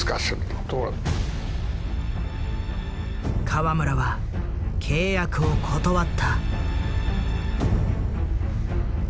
河村は契約を断った。